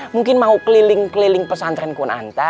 mungkin mau keliling keliling pesantren kunanta